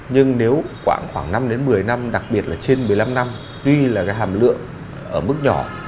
nhưng nếu khoảng năm đến một mươi năm đặc biệt là trên một mươi năm năm tuy là cái hàm lượng ở mức nhỏ